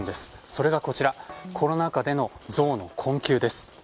それがコロナ禍でのゾウの困窮です。